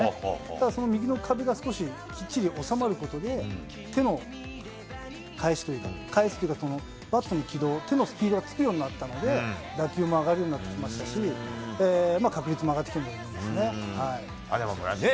ただ、その右の壁が少しきっちり収まることで、手の返しというか、返すというか、バットの軌道、手のスピードがつくようになったので、打球も上がるようになってきましたし、確率も上がってきたんじゃないかと思いますね。